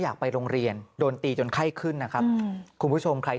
อยากไปโรงเรียนโดนตีจนไข้ขึ้นนะครับคุณผู้ชมใคร